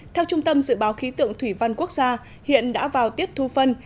theo trung tâm dự báo khí tượng thủy văn quốc gia hiện đã vào tiết thu phân